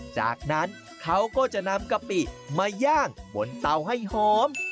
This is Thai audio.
จากนั้นเขาก็จะนำกะปิมาย่างบนเตาให้หอม